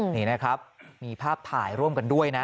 นี่นะครับมีภาพถ่ายร่วมกันด้วยนะ